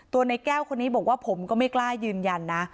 ในแก้วคนนี้บอกว่าผมก็ไม่กล้ายืนยันนะ